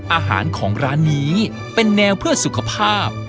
อาหารของร้านนี้เป็นแนวเพื่อสุขภาพ